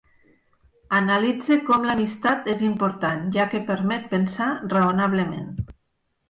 Analitza com l'amistat és important, ja que permet pensar raonablement.